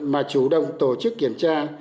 mà chủ động tổ chức kiểm tra